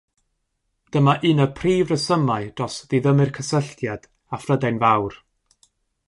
Dyma un o'r prif resymau dros ddiddymu'r cysylltiad â Phrydain Fawr.